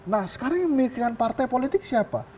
nah sekarang yang mikirkan partai politik siapa